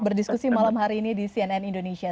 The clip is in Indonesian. berdiskusi malam hari ini di cnn indonesia